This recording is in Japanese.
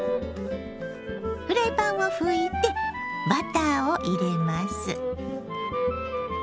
フライパンを拭いてバターを入れます。